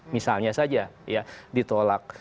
misalnya saja ya ditolak